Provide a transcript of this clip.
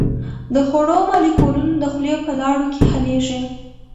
د خوړو مالیکولونه د خولې په لاړو کې حلیږي.